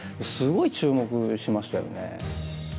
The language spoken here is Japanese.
すごい注目しましたよね。